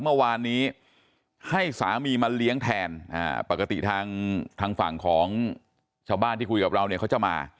เมื่อวานนี้ให้สามีมาเลี้ยงแทนปกติทางฝั่งของชาวบ้านที่คุยกับเราเนี่ยเขาจะมา